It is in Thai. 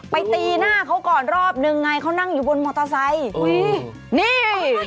ไปตีหน้าเขาก่อนรอบนึงไงนั่งอยู่บนมอเตอร์ไซส์